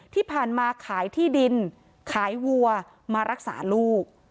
ที่ผ่านมาขายที่ดินขายวัวมารักษาลูก